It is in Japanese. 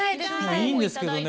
いいんですけどね